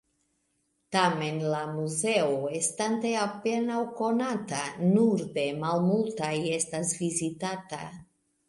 Tamen la muzeo, estante apenaŭ konata, nur de malmultaj estas vizitata.